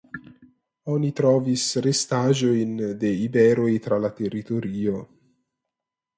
Oni trovis restaĵojn de iberoj tra la teritorio.